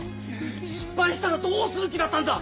失敗したらどうする気だったんだ！